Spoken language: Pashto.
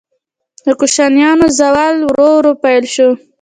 د کوشانیانو زوال ورو ورو پیل شو